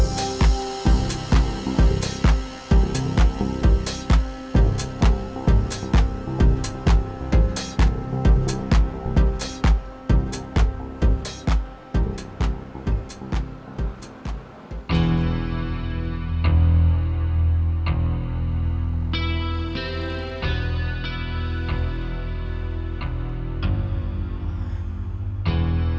sampai jumpa lagi